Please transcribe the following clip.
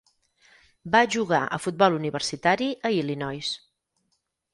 Va jugar a futbol universitari a Illinois.